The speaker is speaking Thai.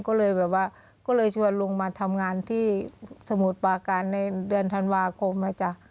ก็เลยแบบว่าก็เลยชวนลุงมาทำงานที่สมุทรปาการในเดือนธันวาคมนะจ๊ะ